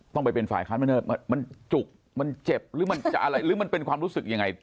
ต้องเป็นฝ่ายคาร์สเมนเทิร์ดมันจุกมันเจ็บหรือเป็นความรู้สึกยังไง